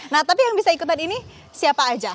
nah tapi yang bisa ikutan ini siapa aja